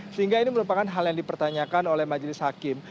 sehingga ini merupakan hal yang dipertanyakan oleh majelis hakim